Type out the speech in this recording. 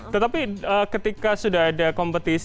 tetapi ketika sudah ada kompetisi